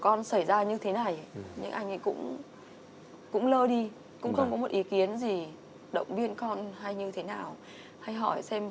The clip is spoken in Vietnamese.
không phải là gì chứng kiến câu chuyện